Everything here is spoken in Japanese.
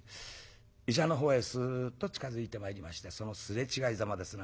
医者のほうへすっと近づいてまいりましてそのすれ違いざまですな。